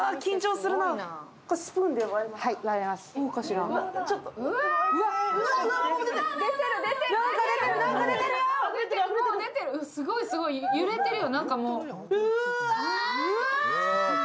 すごいすごい揺れてるよ。